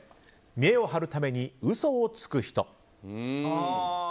見えを張るために嘘をつく人。